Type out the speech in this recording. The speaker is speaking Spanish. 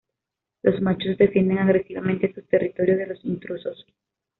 Los machos defienden agresivamente sus territorios de los intrusos.